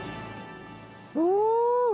おお！